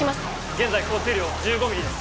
現在降水量１５ミリです